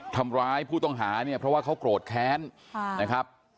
ทำร้ายผู้ต้องหาเนี่ยเพราะว่าเขาโกรธแค้นนะครับ